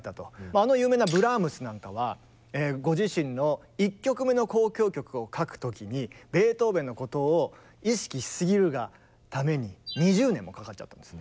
あの有名なブラームスなんかはご自身の１曲目の交響曲を書く時にベートーベンのことを意識しすぎるがために２０年もかかっちゃったんです。